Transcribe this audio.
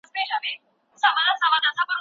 د فابريکو جوړول د بېکارۍ کچه راټيټوي.